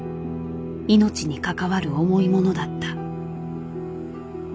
命に関わる重いものだった。